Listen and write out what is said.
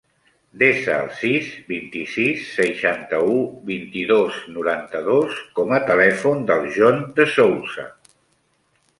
Desa el sis, vint-i-sis, seixanta-u, vint-i-dos, noranta-dos com a telèfon del John De Souza.